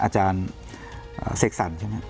อาจารย์เสกสรร